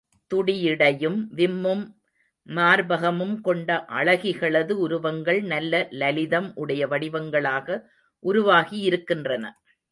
துடியிடையும், விம்மும் மார்பகமும் கொண்ட அழகிகளது உருவங்கள் நல்ல லலிதம் உடைய வடிவங்களாக உருவாகியிருக்கின்றன.